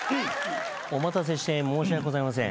お待たせして申し訳ございません。